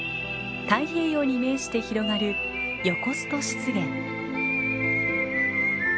太平洋に面して広がるヨコスト湿原。